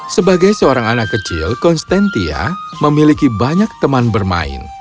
sebagai seorang anak kecil konstantia memiliki banyak teman bermain